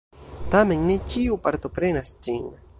Tamen ne ĉiu partoprenas ĝin.